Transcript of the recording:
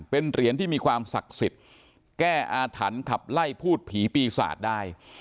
เป็นเหรียญที่มีความศักดิ์สิทธิ์แก้อาถรรพ์ขับไล่พูดผีปีศาจได้